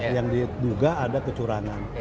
yang diduga ada kecurangan